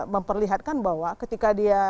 memperlihatkan bahwa ketika dia